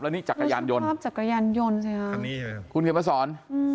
แล้วนี่จักรยานยนต์คุณเขมพสร